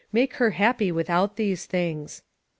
Make her happy without these things.